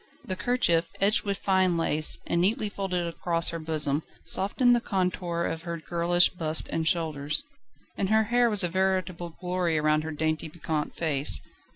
The kerchief, edged with fine lace, and neatly folded across her bosom, softened the contour of her girlish bust and shoulders. And her hair was a veritable glory round her dainty, piquant face.